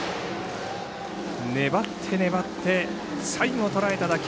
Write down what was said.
粘って粘って最後とらえた打球。